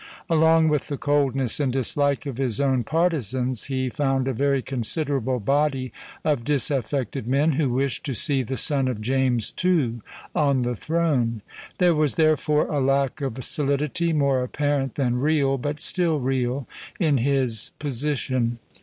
Along with the coldness and dislike of his own partisans, he found a very considerable body of disaffected men, who wished to see the son of James II. on the throne. There was therefore a lack of solidity, more apparent than real, but still real, in his position.